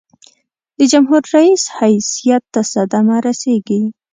د جمهور رئیس حیثیت ته صدمه رسيږي.